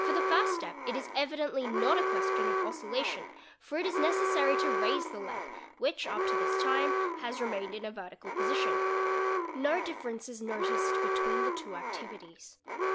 For the first step it is — evidently not a question of oscillation for it is necessary to raise the leg, — which up to this time has remained in a vertical position. No differ i ence is noticed between the two activities.